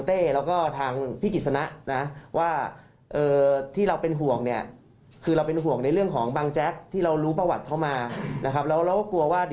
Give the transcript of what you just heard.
ทางเต้เขาก็เข้าใจแล้วว่า